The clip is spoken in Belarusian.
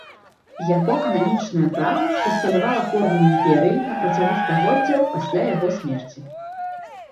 Яго кананічнае права ўсталявала форму імперыі на працягу стагоддзяў пасля яго смерці.